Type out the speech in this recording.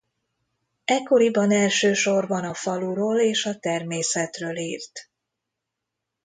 Ekkoriban elsősorban a faluról és a természetről írt.